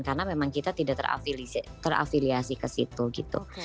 karena memang kita tidak terafiliasi ke situ gitu